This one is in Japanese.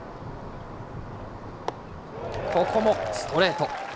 ここもストレート。